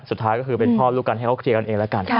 สุดท้ายก็คือเป็นพ่อลูกกันให้เขาเคลียร์กันเองแล้วกัน